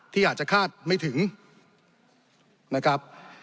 ที่อาจจะคาดไม่ถึงนะครับ